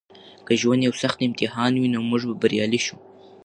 که ژوند یو سخت امتحان وي نو موږ به بریالي شو.